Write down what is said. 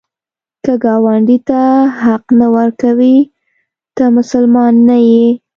که ګاونډي ته حق نه ورکوې، ته مسلمان نه یې